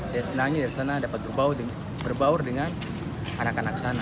saya senangnya dari sana dapat berbaur dengan anak anak sana